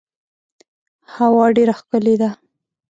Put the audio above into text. هوا ډیره ښکلې ده .